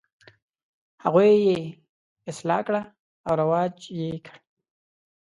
هغوی یې اصلاح کړه او رواج یې کړ.